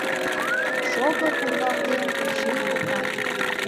Шовыр урвалтет - ший окат.